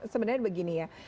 sebenarnya begini ya